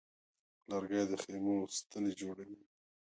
لرګی د خیمو ستنې جوړوي.